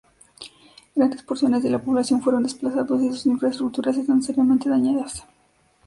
Grandes porciones de la población fueron desplazados y sus infraestructuras están seriamente dañadas.